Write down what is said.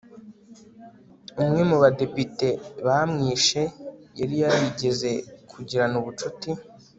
umwe mu badepite bamwishe yari yarigeze kugirana ubucuti